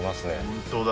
本当だ